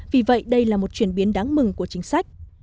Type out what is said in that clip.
vì vậy đây là một chuyển biến đáng mừng của chính sách